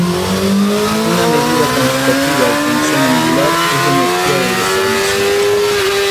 Una medida cuantitativa de tensión angular es la energía de deformación.